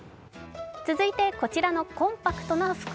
続いてこちらのコンパクトな袋。